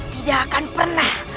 tidak akan pernah